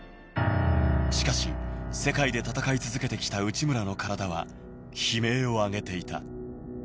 しかし世界で戦い続けてきた内村の体は悲鳴を上げていた。